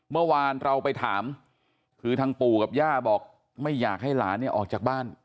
เมื่อวานเราไปถามคือทางปู่กับย่าบอกไม่อยากให้หลานเนี่ยออกจากบ้าน